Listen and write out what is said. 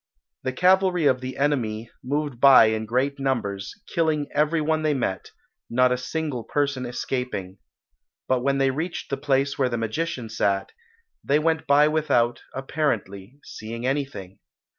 The cavalry of the enemy moved by in great numbers, killing every one they met, not a single person escaping; but when they reached the place where the magician sat, they went by without, apparently, seeing anything.